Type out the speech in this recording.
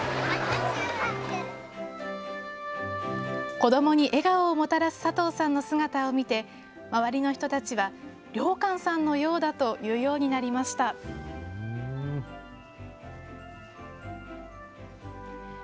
子どもに笑顔をもたらす佐藤さんの姿を見て、周りの人たちは、良寛さんのようだと言うようになりました。